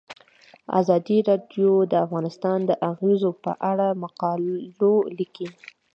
ازادي راډیو د اقتصاد د اغیزو په اړه مقالو لیکلي.